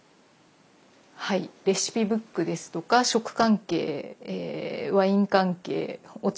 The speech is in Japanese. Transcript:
はいレシピブックですとか食関係ワイン関係お茶